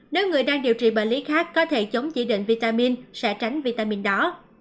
nếu người đang điều trị bệnh lý khác có thể chống chỉ định vitamin sẽ tránh vitamin đó